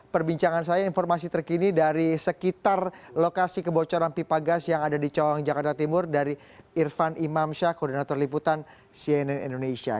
perbincangan saya informasi terkini dari sekitar lokasi kebocoran pipa gas yang ada di cawang jakarta timur dari irfan imam syah koordinator liputan cnn indonesia